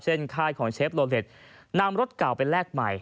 ค่ายของเชฟโลเล็ตนำรถเก่าไปแลกใหม่